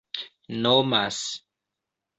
nomas